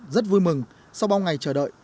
rất vui mừng sau bao ngày chờ đợi